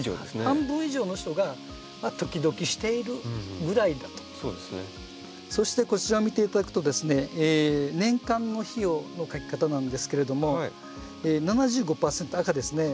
半分以上の人が「ときどきしているぐらいだ」と。そしてこちらを見ていただくとですね年間の費用のかけ方なんですけれども７５％赤ですね